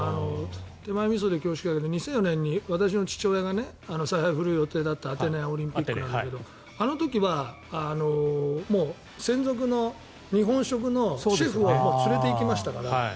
手前みそで恐縮だけど２００４年に私の父親が采配を振るう予定だったアテネオリンピックなんだけどあの時は専属の日本食のシェフを連れて行きましたから。